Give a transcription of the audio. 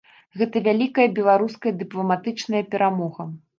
Гэта вялікая беларуская дыпламатычная перамога.